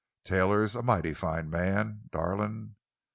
Taylor's a mighty fine man, darlin'."